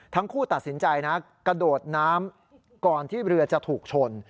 ทั้งคู่ตัดสินใจนะกระโดดน้ำก่อนที่เรือจะถูกชน